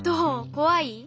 怖い？